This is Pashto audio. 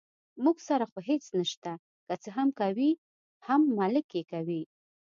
موږ سره خو هېڅ نشته، که څه کوي هم ملک یې کوي.